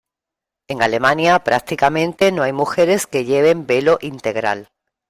En Alemania prácticamente no hay mujeres que lleven velo integral.